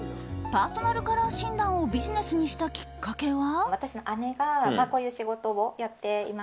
パーソナルカラー診断をビジネスにしたきっかけは。